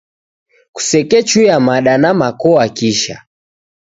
Kusekechuya mada na makoa kisha.